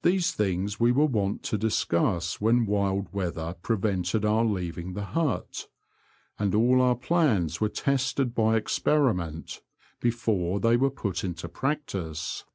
These things we were wont to discuss when wild weather prevented our leaving the hut ; and all our plans were tested by experiment before they were put into practice.